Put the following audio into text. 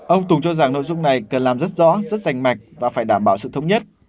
ông tùng cho rằng nội dung này cần làm rất rõ rất rành mạch và phải đảm bảo sự thống nhất